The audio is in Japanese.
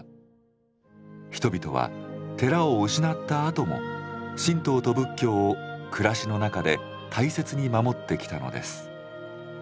人々は寺を失ったあとも神道と仏教を暮らしの中で大切に守ってきたのです。